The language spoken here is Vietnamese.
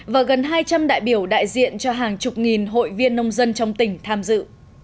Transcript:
và gần hai trăm linh đại biểu đại diện cho hàng chục nghìn hội viên nông dân trong tỉnh tham dự